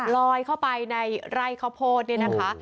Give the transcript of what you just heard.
ลอยเข้าไปในไร่ข้าวโพดเนี่ยนะคะ